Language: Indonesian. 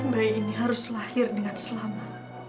bayi ini harus lahir dengan selamat